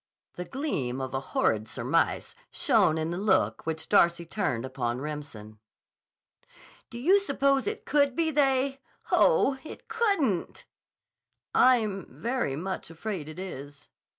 The gleam of a horrid surmise shone in the look which Darcy turned upon Remsen. "Do you suppose it could be they? Oh, it couldn't!" "I'm very much afraid it is."